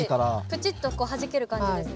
プチッとはじける感じですね。